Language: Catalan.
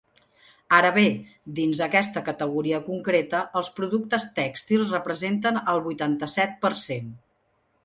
Ara bé, dins aquesta categoria concreta els productes tèxtils representen el vuitanta-set per cent.